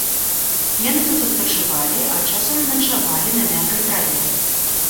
Яны тут адпачывалі, а часам начавалі на мяккай траве.